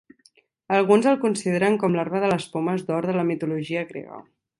Alguns el consideren com l'arbre de les pomes d'or de la mitologia grega.